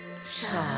さあ。